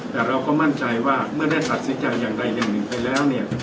แต่เราก็มั่นใจว่าเมื่อได้ตัดสินใจอย่างใดอย่างหนึ่งไปแล้วเนี่ย